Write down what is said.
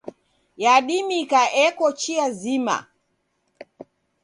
Yadimika eko chia zima.